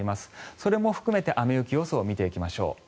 それも含めて雨・雪予想を見ていきましょう。